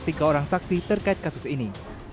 tiga orang saksi terkait kasus ini